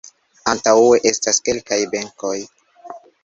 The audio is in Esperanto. Antaŭe estas kelkaj benkoj.